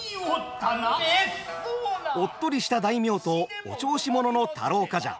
おっとりした大名とお調子者の太郎冠者。